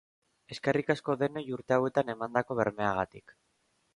Eskerrik asko denoi urte hauetan emandako bermeagatik.